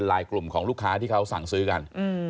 กลุ่มของลูกค้าที่เขาสั่งซื้อกัน